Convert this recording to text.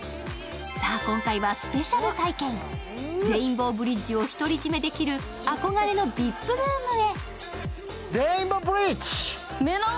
今回はスペシャル体験、レインボーブリッジを独り占めできる憧れのＶＩＰルームへ。